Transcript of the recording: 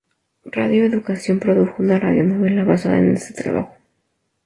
Radio Educación produjo una radionovela basada en este trabajo.